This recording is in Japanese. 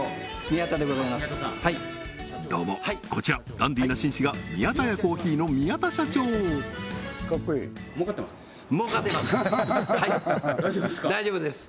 ですどうもこちらダンディーな紳士が宮田屋珈琲の宮田社長大丈夫ですか？